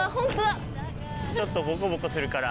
ちょっとボコボコするから。